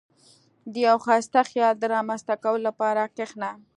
• د یو ښایسته خیال د رامنځته کولو لپاره کښېنه.